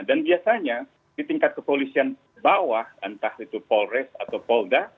dan biasanya di tingkat kepolisian bawah entah itu polres atau polda